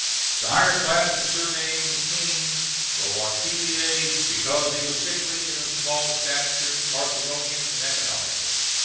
The higher classes surnamed the king Le Roitelet, because he was sickly and of small stature, parsimonious and economical.